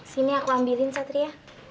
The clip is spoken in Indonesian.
sini aku ambilin satria